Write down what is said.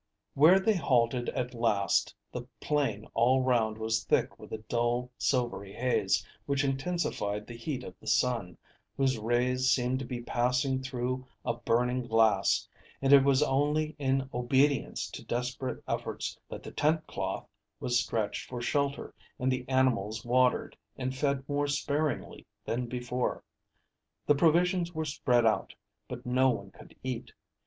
Where they halted at last the plain all round was thick with a dull silvery haze which intensified the heat of the sun, whose rays seemed to be passing through a burning glass, and it was only in obedience to desperate efforts that the tent cloth was stretched for shelter and the animals watered and fed more sparingly than before. The provisions were spread out, but no one could eat.